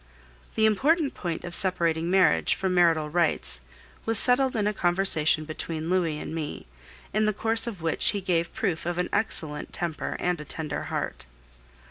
The important point of separating marriage from marital rights was settled in a conversation between Louis and me, in the course of which he gave proof of an excellent temper and a tender heart.